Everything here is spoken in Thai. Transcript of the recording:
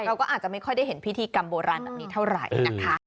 เราก็อาจจะไม่ค่อยได้เห็นพิธีกรรมโบราณแบบนี้เท่าไหร่นะคะ